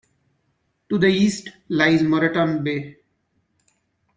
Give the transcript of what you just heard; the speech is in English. To the east lies Moreton Bay.